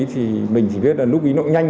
thì mình chỉ biết là nút bí nội nhanh